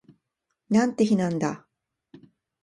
なんて日なんだ